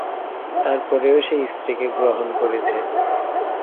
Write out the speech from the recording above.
তার পরেও সে স্ত্রীকে গ্রহণ করেছে।